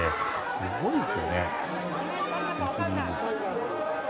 すごいですよね。